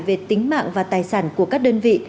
về tính mạng và tài sản của các đơn vị